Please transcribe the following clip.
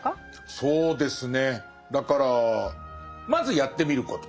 そうですねだからまずやってみること。